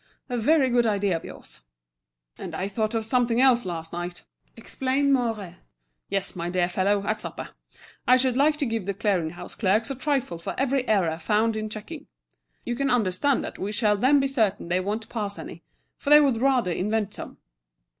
"A very good idea of yours." "And I thought of something else last night," explained Mouret. "Yes, my dear fellow, at the supper. I should like to give the clearing house clerks a trifle for every error found in checking. You can understand that we shall then be certain they won't pass any, for they would rather invent some."